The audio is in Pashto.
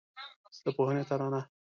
د پوهنې ترانه